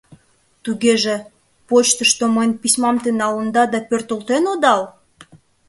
— Тугеже, почтышто мыйын письмам те налында да пӧртылтен одал?!